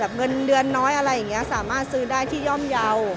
เงินเดือนน้อยอะไรอย่างนี้สามารถซื้อได้ที่ย่อมเยาว์